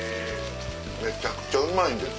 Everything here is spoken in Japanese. めちゃくちゃうまいんです。